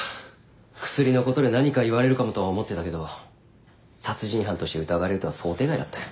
クスリのことで何か言われるかもとは思ってたけど殺人犯として疑われるとは想定外だったよ。